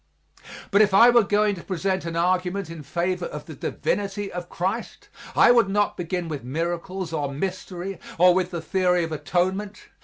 But if I were going to present an argument in favor of the divinity of Christ, I would not begin with miracles or mystery or with the theory of atonement.